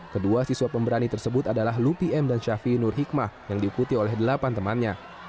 kedua siswa pemberani tersebut adalah lupi m dan syafi nur hikmah yang diikuti oleh delapan temannya